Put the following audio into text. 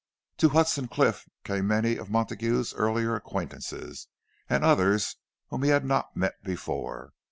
To Hudson Cliff came many of Montague's earlier acquaintances, and others whom he had not met before.